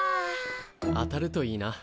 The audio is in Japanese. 当たるといいな。